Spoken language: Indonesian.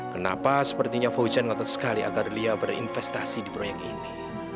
kenapa sepertinya fauhian ngotot sekali agar lia berinvestasi di proyek ini